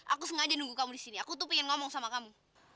aku sengaja nunggu kamu di sini aku tuh pengen ngomong sama kamu